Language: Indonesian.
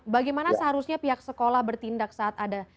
bagaimana seharusnya pihak sekolah bertindak saat ada